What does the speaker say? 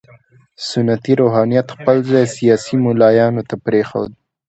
سنتي روحانیت خپل ځای سیاسي ملایانو ته پرېښود.